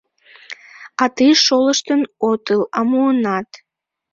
А тый шолыштын отыл, а муынат.